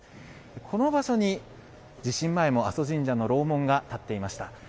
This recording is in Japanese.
この場所に地震前も阿蘇神社の楼門が建っていました。